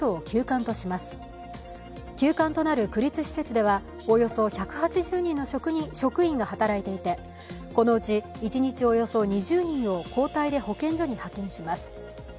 休館となる区立施設ではおよそ１８０人の職員が働いていて、このうち一日およそ２０人を交代で保健所に派遣します。